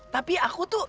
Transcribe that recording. tapi aku tuh